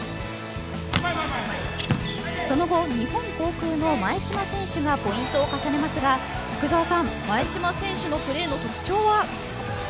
その後、日本航空の前嶋選手がポイントを重ねますが福澤さん前嶋選手のプレーの特徴は？